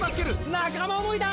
仲間想いだ！